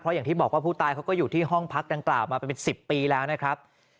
อย่างที่บอกว่าผู้ตายเขาก็อยู่ที่ห้องพักดังกล่าวมาเป็น๑๐ปีแล้วนะครับ